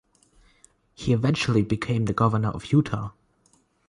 He eventually became the Governor of Utah.